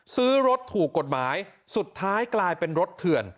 ซื้อรถถูกกฎหมายสุดท้ายกลายเป็นรถเถื่อน